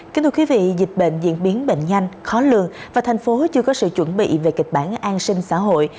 kính thưa quý vị dịch bệnh diễn biến bệnh nhanh khó lường và thành phố chưa có sự chuẩn bị về kịch bản an sinh xã hội